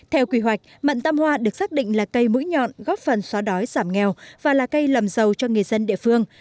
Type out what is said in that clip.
theo quy hoạch mận tâm hoa được xác định là cây mũi nhọn góp phần xóa đói giảm nghèo và là cây lầm dầu cho người dân địa phương